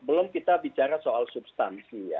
belum kita bicara soal substansi ya